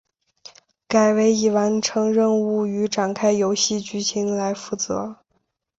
改为以完成任务与展开游戏剧情来负责。